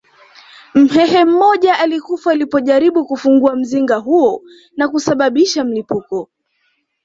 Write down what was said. Mhehe mmoja alikufa alipojaribu kufungua mzinga huo na kusababisha mlipuko